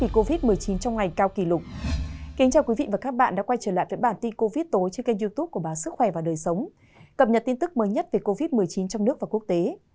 cập nhật tin tức mới nhất về covid một mươi chín trong nước và quốc tế